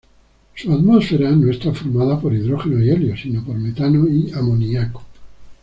Su atmósfera no está formada por hidrógeno y helio, sino por metano y amoníaco.